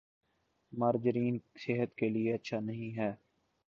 margarine صحت کے لئے اچھا نہیں ہے